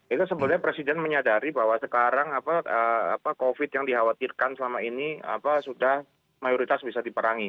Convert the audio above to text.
itu sebenarnya presiden menyadari bahwa sekarang covid yang dikhawatirkan selama ini sudah mayoritas bisa diperangi